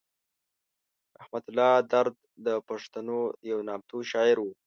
رحمت الله درد د پښتنو یو نامتو شاعر و.